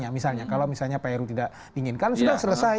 misalnya kalau misalnya pak heru tidak inginkan sudah selesai